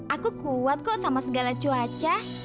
aku kuat kok sama segala cuaca